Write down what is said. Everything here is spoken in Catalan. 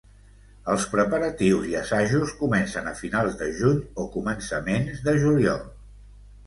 Els preparatius i assajos comencen a finals de juny o començaments de juliol.